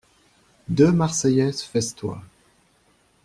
Deux marseillaises festoient.